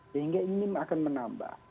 sehingga ini akan menambah